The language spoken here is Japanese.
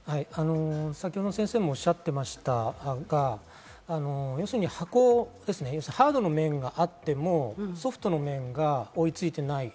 先ほどの先生もおっしゃっていましたが、ハードの面があってもソフトの面が追いついていない。